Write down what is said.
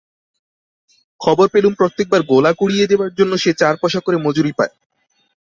খবর পেলুম, প্রত্যেকবার গোলা কুড়িয়ে দেবার জন্যে সে চার পয়সা করে মজুরি পায়।